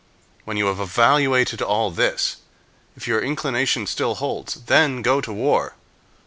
When you have evaluated all this, if your inclination still holds, then go to war.